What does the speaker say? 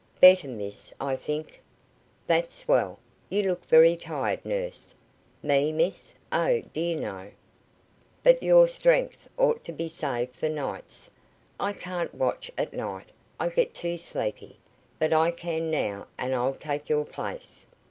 "Better, miss, I think." "That's well. You look very tired, nurse." "Me, miss? Oh, dear, no." "But your strength ought to be saved for nights. I can't watch at night I get too sleepy; but I can now, and I'll take your place."